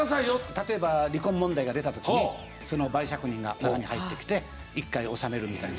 例えば離婚問題が出た時にその媒酌人が中に入ってきて一回収めるみたいな。